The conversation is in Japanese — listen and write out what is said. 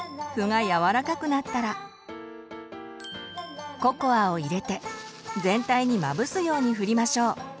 麩が柔らかくなったらココアを入れて全体にまぶすように振りましょう。